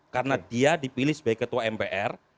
karena dia dipilih sebagai ketua mpr